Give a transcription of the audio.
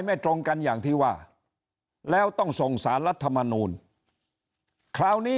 ไม่ตรงกันอย่างที่ว่าแล้วต้องส่งสารรัฐมนูลคราวนี้